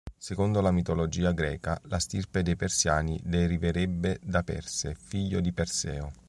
Secondo la mitologia greca la stirpe dei persiani deriverebbe da Perse, figlio di Perseo.